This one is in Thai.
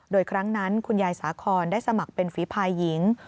โดยครั้งนั้นคุณยายสาคอนได้สมัครเป็นฝีภายหญิง